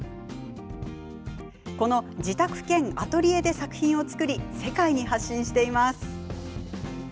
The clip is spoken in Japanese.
この自宅兼アトリエで作品を作り世界に発信しています。